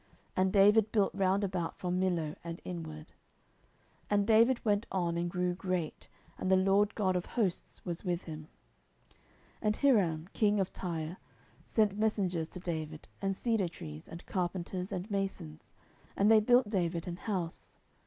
And David built round about from Millo and inward. 10:005:010 And David went on, and grew great, and the LORD God of hosts was with him. 10:005:011 And Hiram king of Tyre sent messengers to David, and cedar trees, and carpenters, and masons: and they built David an house.